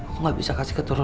aku gak bisa kasih keturunan